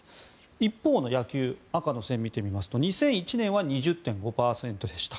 一方の野球赤の線を見てみますと２００１年は２０．５％でした。